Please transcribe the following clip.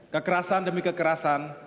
kekerasan demi kekerasan